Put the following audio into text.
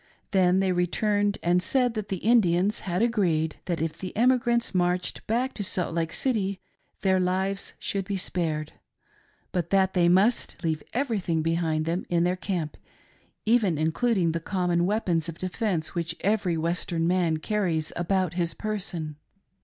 Then they returned THE MASSACRE. 333 and said that the Indians had agreed, that if the emigrants marched back to Salt Lake City their lives should be spared ; but that they must leave everything behind them in their camp, even including the common weapons of defence which every Western man carries about his person.